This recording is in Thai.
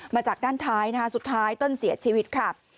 มาจากด้านท้ายนะคะสุดท้ายเติ้ลเสียชีวิตค่ะ